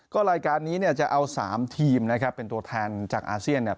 ก็รายการนี้เนี่ยจะเอา๓ทีมนะครับเป็นตัวแทนจากอาเซียนเนี่ย